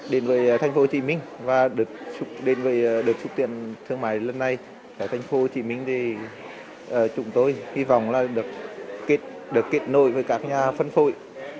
đến với tp hcm và được xúc tiện thương mại lần này tp hcm chúng tôi hy vọng được kết nối với các nhà phân phối